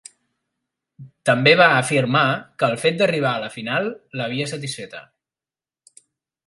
També va afirmar que el fet d'arribar a la final l'havia satisfeta.